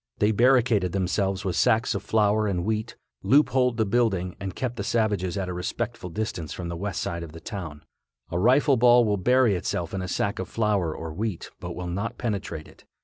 They barricaded themselves with sacks of flour and wheat, loopholed the building and kept the savages at a respectful distance from the west side of the town. A rifle ball will bury itself in a sack of flour or wheat, but will not penetrate it.